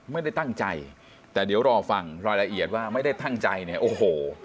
ไม่ได้ตั้งใจแต่เดี๋ยวรอฟังรายละเอียดว่าไม่ได้ตั้งใจเนี่ยโอ้โห